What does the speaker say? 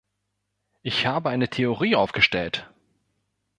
Ich habe eine Theorie aufgestellt!